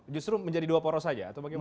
justru menjadi dua poros saja atau bagaimana